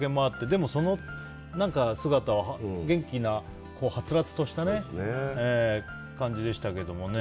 でも、その姿は元気な、はつらつとした感じでしたけどもね。